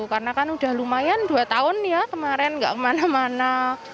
karena kan udah lumayan dua tahun ya kemarin gak kemana mana